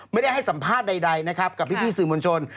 ไม่ได้ให้สัมภาษณ์ใดนะครับกับพี่สื่อมวลชน